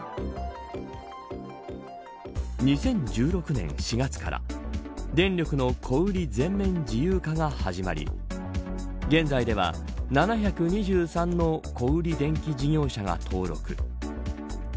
２０１６年４月から電力の小売り全面自由化が始まり現在では７２３の小売り電気事業者が登録。